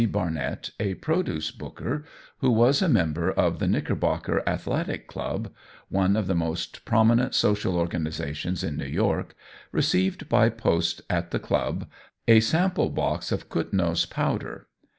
Barnett, a produce booker, who was a member of the Knickerbocker Athletic Club, one of the most prominent social organizations in New York, received by post at the club a sample box of Kutnow's Powder.